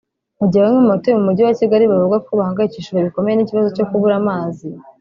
Mu gihe bamwe mu batuye mu Mujyi wa Kigali bavuga ko bahangayikishijwe bikomeye n’ikibazo cyo kubura amazi